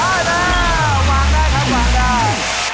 หว่างได้ครับหว่างได้